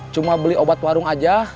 cuma beli obat warung aja